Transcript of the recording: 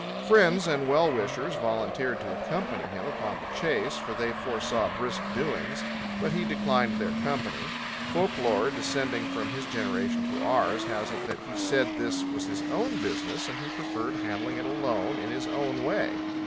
Friends and well wishers volunteered to accompany him upon the chase, for they foresaw brisk doings. But he declined their company. Folklore, descending from his generation to ours, has it that he said this was his own business and he preferred handling it alone in his own way.